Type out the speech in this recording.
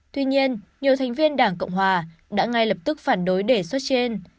tuy nhiên nhiều thành viên đảng cộng hòa đã ngay lập tức phản đối đề xuất trên